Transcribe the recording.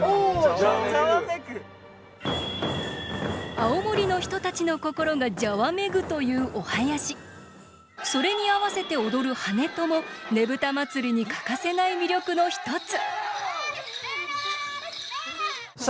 青森の人たちの心がじゃわめぐというそれにあわせて踊る跳人もねぶた祭に欠かせない魅力の一つ。